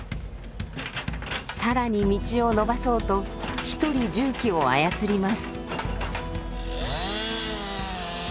更に道を延ばそうと一人重機を操ります。